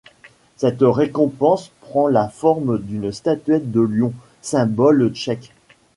Cette récompense prend la forme d'une statuette de lion, symbole tchèque.